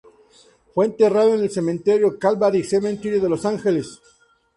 Fue enterrada en el Cementerio Calvary Cemetery de Los Angeles.